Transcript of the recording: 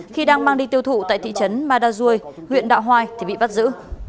khi đang mang đi tiêu thụ tại thị trấn ma đa duôi huyện đạo hoai thì bị bắt giữ